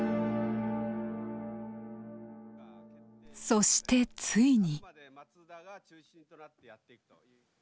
そしてついに。